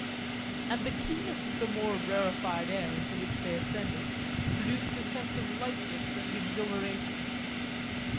And the keenness of the more rarefied air into which they ascended produced a sense of lightness and exhilaration.